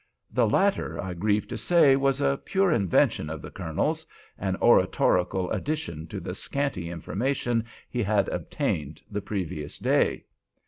The latter, I grieve to say, was a pure invention of the Colonel's—an oratorical addition to the scanty information he had obtained the previous day.